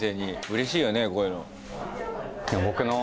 うれしいよねこういうの。